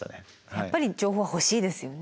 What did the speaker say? やっぱり情報は欲しいですよね。